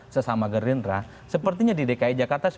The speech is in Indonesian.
sesama gerindra sepertinya di dki jakarta